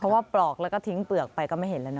เพราะว่าปลอกแล้วก็ทิ้งเปลือกไปก็ไม่เห็นแล้วนะ